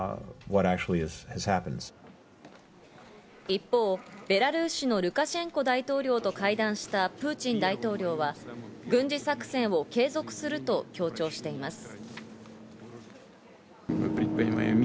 一方、ベラルーシのルカシェンコ大統領と会談したプーチン大統領は、軍事作戦を継続すると強調しています。